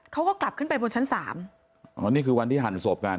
เขาก็กลับขึ้นไปบนชั้นสามอ๋อนี่คือวันที่หั่นศพกัน